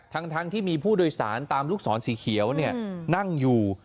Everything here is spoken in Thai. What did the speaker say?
ทั้งที่มีผู้โดยสารตามลูกศรสีเขียวนั่งอยู่